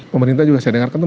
pemerintah juga saya dengarkan